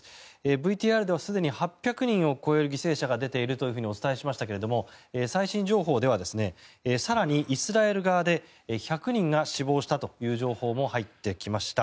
ＶＴＲではすでに８００人を超える犠牲者が出ているとお伝えしましたが最新情報では更にイスラエル側で１００人が死亡したという情報も入ってきました。